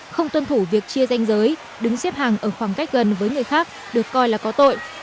không tuân thủ việc chia danh giới đứng xếp hàng ở khoảng cách gần với người khác được coi là có tội